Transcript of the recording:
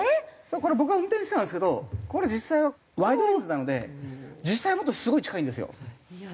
これ僕が運転してたんですけどこれ実際はワイドレンズなので実際はもっとすごい近いんですよ。